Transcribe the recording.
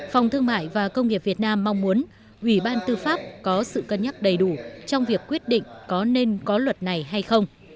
phòng thương mại và công nghiệp việt nam mong muốn ủy ban tư pháp có sự cân nhắc đầy đủ trong việc quyết định có nên có luật này hay không